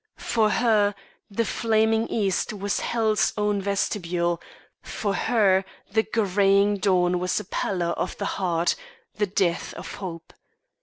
For her the flaming east was hell's own vestibule, for her the greying dawn was a pallor of the heart, the death of hope.